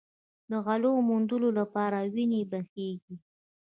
د غلو د موندلو لپاره وینې بهېږي.